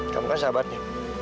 kamu kan sahabatnya